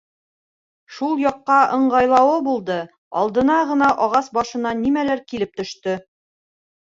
Шул яҡҡа ыңғайлауы булды, алдына ғына ағас башынан нимәлер килеп төштө.